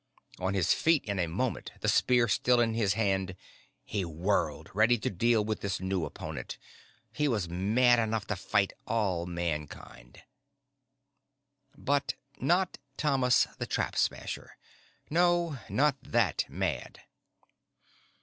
On his feet in a moment, the spear still in his hand, he whirled, ready to deal with this new opponent. He was mad enough to fight all Mankind. But not Thomas the Trap Smasher. No, not that mad.